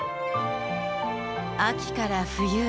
秋から冬へ。